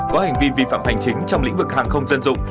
có hành vi vi phạm hành chính trong lĩnh vực hàng không dân dụng